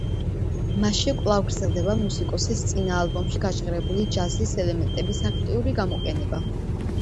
მასში კვლავ გრძელდება მუსიკოსის წინა ალბომში გაჟღერებული ჯაზის ელემენტების აქტიური გამოყენება.